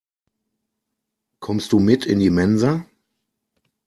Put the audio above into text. Kommst du mit in die Mensa?